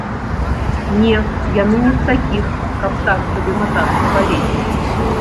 Не, яны не з такіх, каб так сабе матацца па лесе.